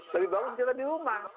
lebih bagus kita di rumah